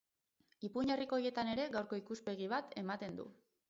Ipuin herrikoietan ere gaurko ikuspegi bat ematen dut.